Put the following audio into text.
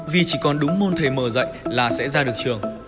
vì chỉ còn đúng môn thầy m dạy là sẽ ra được trường